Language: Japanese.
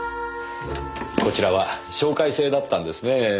こちらは紹介制だったんですねえ。